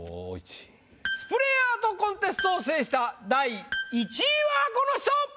スプレーアートコンテストを制した第１位はこの人！